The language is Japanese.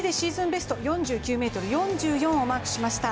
ベスト４９ｍ４４をマークしました。